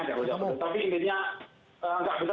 ketemu tapi intinya gak bisa